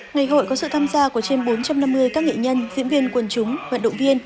ngày hội có sự tham gia của trên bốn trăm năm mươi các nghệ nhân diễn viên quần chúng vận động viên